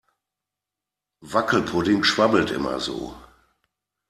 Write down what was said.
Wackelpudding schwabbelt immer so.